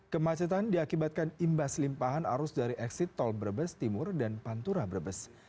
kemacetan diakibatkan imbas limpahan arus dari eksit tol brebes timur dan pantura brebes